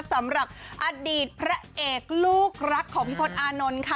สำหรับอดีตพระเอกลูกรักของพี่พลตอานนท์ค่ะ